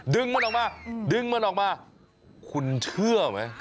ดึงมันออกมาคุณเชื่อไหม